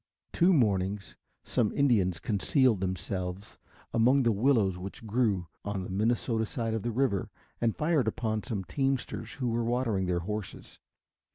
Two mornings some Indians concealed themselves among the willows which grew on the Minnesota side of the river and fired upon some teamsters who were watering their horses.